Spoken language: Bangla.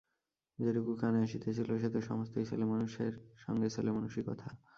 যেটুকু কানে আসিতেছিল সে তো সমস্তই ছেলেমানুষদের সঙ্গে ছেলেমানুষি কথা।